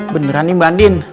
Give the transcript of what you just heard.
beneran nih bandin